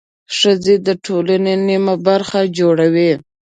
ښځې د ټولنې نميه برخه جوړوي.